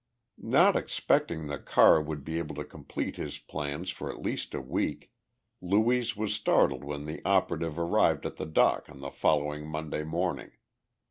Not expecting that Carr would be able to complete his plans for at least a week, Louise was startled when the operative arrived at the dock on the following Monday morning.